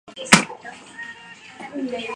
金昭希曾在就读。